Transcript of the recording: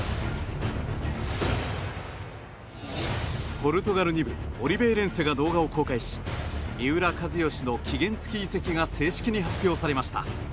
ポルトガル２部オリヴェイレンセが動画を公開し三浦知良の期限付き移籍が正式に発表されました。